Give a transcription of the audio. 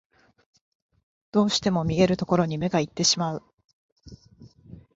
どうしても見えるところに目がいってしまう